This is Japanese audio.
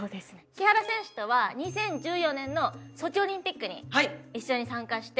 木原選手とは２０１４年のソチオリンピックに一緒に参加して。